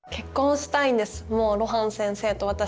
もう露伴先生と私。